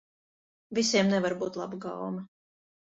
Visiem nevar būt laba gaume.